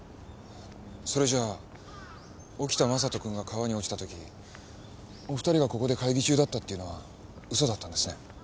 それじゃあ沖田将人くんが川に落ちたときお２人がここで会議中だったっていうのは嘘だったんですね？